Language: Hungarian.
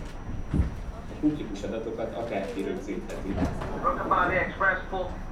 A publikus adatokat akárki rögzítheti.